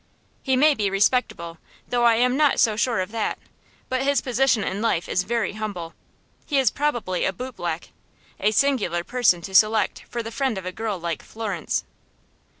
"He may be respectable, though I am not so sure of that; but his position in life is very humble. He is probably a bootblack; a singular person to select for the friend of a girl like Florence."